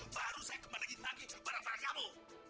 baru saya kembali lagi ke barang barang kamu